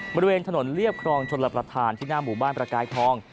บริเวณถนนเรียบครองชนรับประทานที่หน้าหมู่บ้านประกายทอง